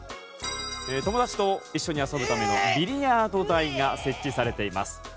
「友達と一緒に遊ぶためのビリヤード台が設置されています」